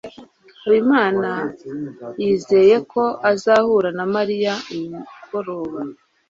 Habimana yizeye ko azahura na Mariya uyu mugoroba.